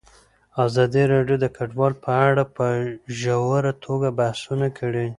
ازادي راډیو د کډوال په اړه په ژوره توګه بحثونه کړي.